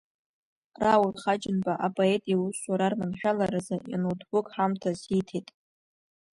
Рауль Ҳаџьымба апоет иусура арманшәаларазы аноутбук ҳамҭас ииҭеит.